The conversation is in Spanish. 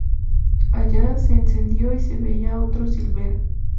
Allá se encendió y se veía otro Silvera.